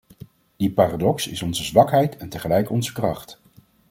Die paradox is onze zwakheid en tegelijk onze kracht.